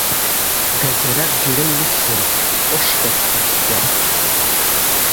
Гаӡарак џьа иухьзаргь, ҟәшракгьы ухьӡап.